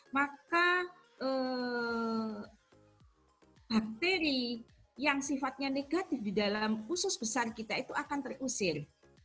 maka bakteri yang sifatnya negatif di dalam usus besar kita itu akan terusir